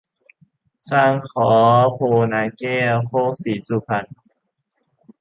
สร้างค้อ โพนนาแก้ว โคกศรีสุพรรณ